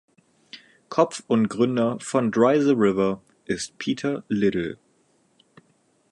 Kopf und Gründer von "Dry the River" ist Peter Liddle.